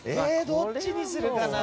どっちにするかな？